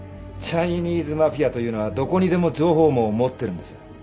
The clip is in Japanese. チャイニーズマフィアというのはどこにでも情報網を持ってるんです。